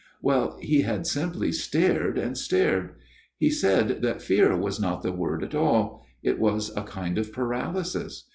Well, he had simply stared and stared. He said that fear was not the word at all : it was a kind of paralysis.